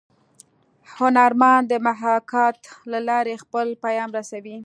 هنرمن د محاکات له لارې خپل پیام رسوي